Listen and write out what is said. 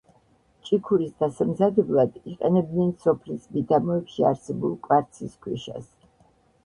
ჭიქურის დასამზადებლად იყენებდნენ სოფლის მიდამოებში არსებულ კვარცის ქვიშას.